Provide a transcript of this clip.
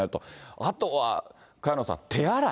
あとは、萱野さん、手洗い。